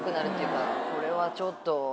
これはちょっと。